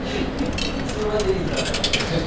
いつの間に出てきたんだろうっていう感じで。